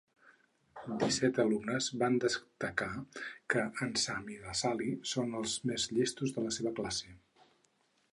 Disset alumnes van destacar que en Sam i la Sally són els més llestos de la seva classe.